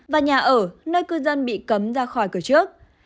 và nhà ở nơi cư dân bị cấm ra khỏi cửa trước